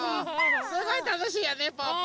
すごいたのしいよねぽぅぽ。